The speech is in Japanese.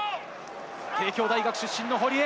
帝京大学出身の堀江。